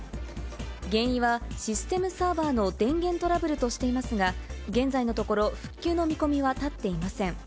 原因は、システムサーバーの電源トラブルとしていますが、現在のところ、復旧の見込みは立っていません。